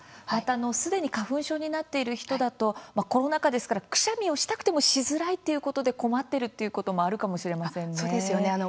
また、すでに花粉症になっている人だとコロナ禍ですからくしゃみをしたくてもしづらいということで困ってるということもあるかもしれませんね。